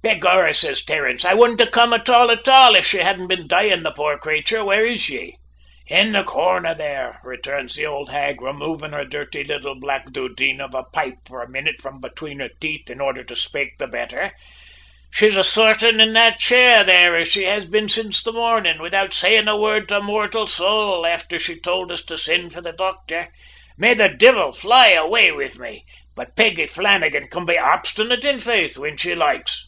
"`Begorrah!' says Terence, `I wouldn't have come at all at all if she hadn't been dyin', the poor crayture! Where is she?' "`In the corner there,' returns the old hag, removing her dirty little black dhudeen of a pipe for a minnit from between her teeth, in order to spake the bether. `She's a sottin' in that cheir there, as she hav' been since the mornin', widout sayin' a worrd to mortial saol afther she tould us to sind for the docther. May the divvle fly away with me, but Peggy Flannagan can be obstinate in foith, whin she likes!'